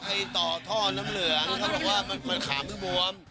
ใครต่อท่อจะเป็นภาพน้ำเหลืองเขาก็เรียกว่ามันเครื่องคาแบบบล้วน